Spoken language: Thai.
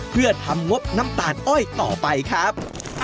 เพื่อทำงบน้ำตาลอ้อยต่อไปครับ